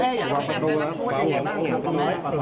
เห็นตรงว่าสนิทกับแอมสนิทกับแอม